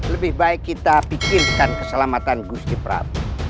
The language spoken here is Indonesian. lebih baik kita pikirkan keselamatan gusti prap